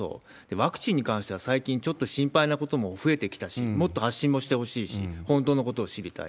ワクチンに関しては、最近、ちょっと心配なことも増えてきたし、もっと発信もしてほしいし、本当のことを知りたい。